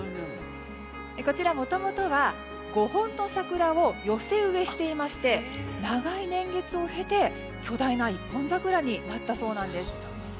こちら、もともとは５本の桜を寄せ植えしていまして長い年月を経て、巨大な一本桜になったそうなんです。